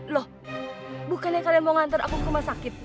loh bukannya kalian mau ngantar aku ke rumah sakit